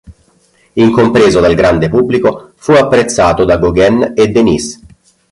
Incompreso dal grande pubblico fu apprezzato da Gauguin e Denis.